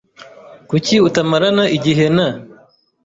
Kuki utamarana igihe na ?